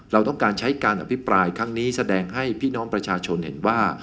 เราต้องการใช้การอภิปรายครั้งนี้แสดงให้พี่น้องประชาชนเห็นว่า